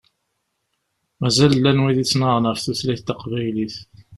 Mazal llan wid yettnaɣen ɣef tutlayt taqbaylit.